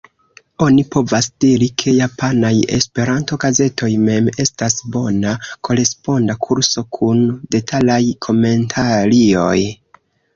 Oni povas diri, ke japanaj E-gazetoj mem estas bona koresponda kurso kun detalaj komentarioj.